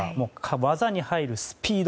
技に入るスピード